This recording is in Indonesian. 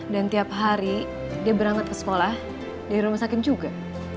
dan tiap hari dia berangkat ke sekolah dari rumah sakit juga